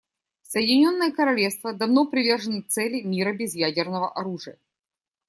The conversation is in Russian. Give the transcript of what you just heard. Соединенное Королевство давно привержено цели мира без ядерного оружия.